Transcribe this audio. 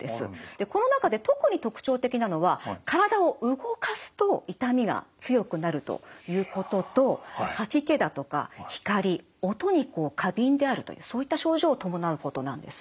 この中で特に特徴的なのは体を動かすと痛みが強くなるということと吐き気だとか光・音に過敏であるというそういった症状を伴うことなんです。